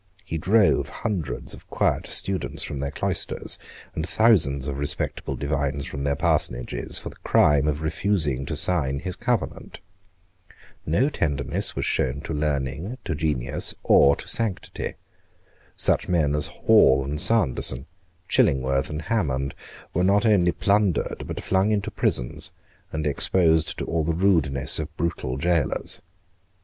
He drove hundreds of quiet students from their cloisters, and thousands of respectable divines from their parsonages, for the crime of refusing to sign his Covenant. No tenderness was shown to learning, to genius or to sanctity. Such men as Hall and Sanderson, Chillingworth and Hammond, were not only plundered, but flung into prisons, and exposed to all the rudeness of brutal gaolers.